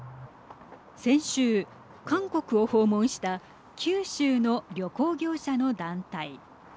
先週、韓国を訪問した九州の旅行業者の団体。